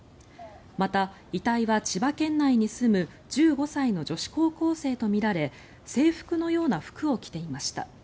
また、遺体は千葉県内に住む１５歳の女子高校生とみられ制服のような服を着ていました。